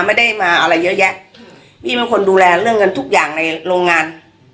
ไม่ได้มาอะไรเยอะแยะอืมพี่เป็นคนดูแลเรื่องเงินทุกอย่างในโรงงาน